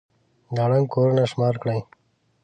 دا ړنـګ كورونه شمار كړئ.